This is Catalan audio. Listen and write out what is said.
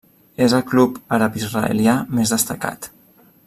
És el club àrab-israelià més destacat.